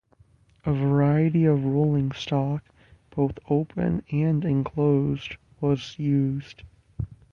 A variety of rolling stock, both open and enclosed, was used.